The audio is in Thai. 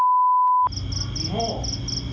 ว่าผู้หญิงใคร